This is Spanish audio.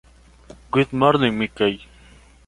Good Morning, Mickey!